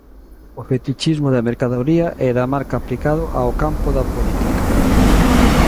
O fetichismo da mercadoría e da marca aplicado ao campo da política.